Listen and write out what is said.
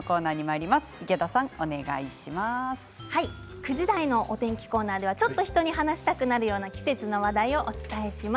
９時台のお天気コーナーではちょっと人に話したくなるような季節の話題をお伝えします。